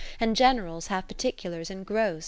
And generals have particulars en grost.